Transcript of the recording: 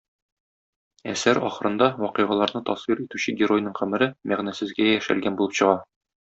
Әсәр ахырында вакыйгаларны тасвир итүче геройның гомере мәгънәсезгә яшәлгән булып чыга.